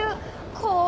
こう。